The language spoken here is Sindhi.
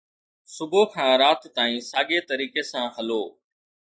صبح کان رات تائين ساڳئي طريقي سان هلو